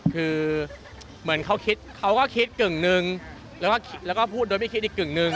คือเขาก็คิดกึ่งนึงแล้วก็พูดไม่คิดอีกกึ่งนึง